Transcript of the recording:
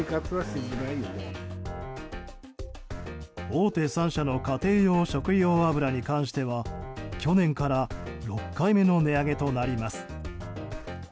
大手３社の家庭用食用油に関しては去年から６回目の値上げとなります。